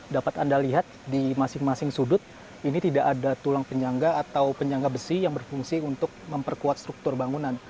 dapat anda lihat di masing masing sudut ini tidak ada tulang penyangga atau penyangga besi yang berfungsi untuk memperkuat struktur bangunan